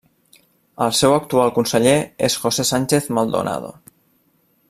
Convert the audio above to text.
El seu actual conseller és José Sánchez Maldonado.